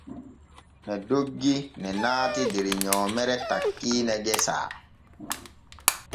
Ne doggi ne naati der nyoomere takkiine gesa.